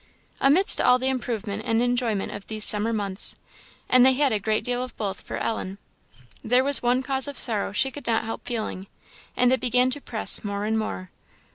Amidst all the improvement and enjoyment of these summer months and they had a great deal of both for Ellen there was one cause of sorrow she could not help feeling, and it began to press more and more.